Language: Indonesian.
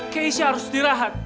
keisha harus dirahat